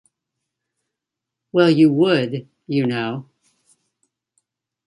Well you would, you know.